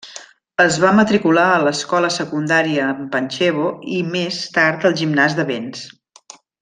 Es va matricular a l'escola secundària en Pančevo, i més tard al Gimnàs de Béns.